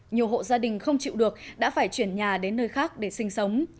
nhiều hộ gia đình không chịu được đã phải chuyển nhà đến nơi khác để sinh sống